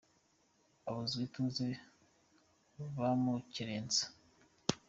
Abuzwa ituze bamukerensa